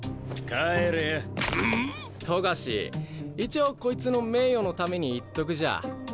冨樫一応こいつの名誉のために言っとくじゃ。